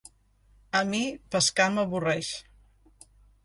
A mi, pescar m'avorreix.